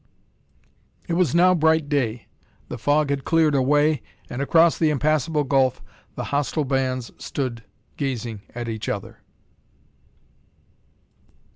It was now bright day; the fog had cleared away, and across the impassable gulf the hostile bands stood gazing at each other!